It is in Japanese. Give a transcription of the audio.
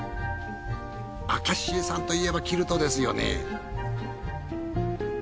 キャシーさんといえばキルトですよね。